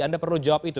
anda perlu jawab itu